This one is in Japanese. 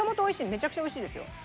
めちゃくちゃ美味しいですよ。